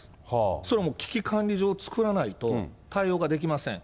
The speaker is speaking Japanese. それはもう危機管理上作らないと、対応ができません。